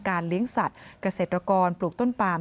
เลี้ยงสัตว์เกษตรกรปลูกต้นปาม